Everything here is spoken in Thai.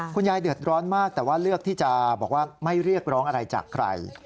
เดือดร้อนมากแต่ว่าเลือกที่จะบอกว่าไม่เรียกร้องอะไรจากใคร